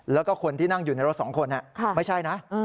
แล้วก็คนที่นั่งอยู่ในรถ๒คนไม่ใช่นะ